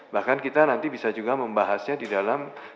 bahkan kita nanti bisa juga membahasnya di dalam